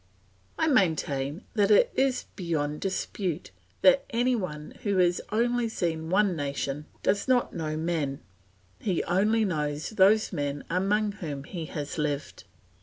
I maintain that it is beyond dispute that any one who has only seen one nation does not know men; he only knows those men among whom he has lived.